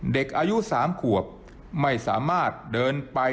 เด็กอายุ๓ขวบไม่สามารถเดินไป